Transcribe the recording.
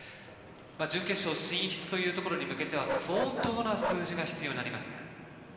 準決勝進出というところに向けては相当な数字が必要になりますが。